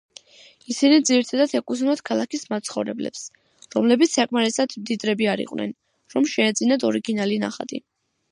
ისინი ძირითადად ეკუთვნოდათ ქალაქის მაცხოვრებლებს, რომლებიც საკმარისად მდიდრები არ იყვნენ, რომ შეეძინათ ორიგინალი ნახატი.